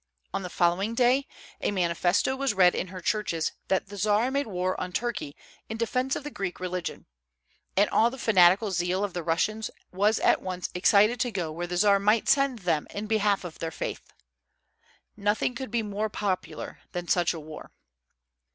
On the following day a manifesto was read in her churches that the Czar made war on Turkey in defence of the Greek religion; and all the fanatical zeal of the Russians was at once excited to go where the Czar might send them in behalf of their faith. Nothing could be more popular than such a war.